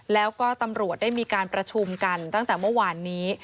แล้วก็ตำรวจได้มีการประชุมกันตั้งแต่เมื่อวานนี้